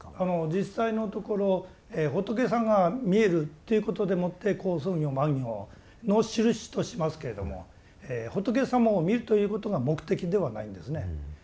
実際のところ仏さんが見えるということでもって好相行満行のしるしとしますけれども仏様を見るということが目的ではないんですね。